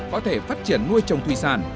có thể phát triển nuôi trồng thủy sản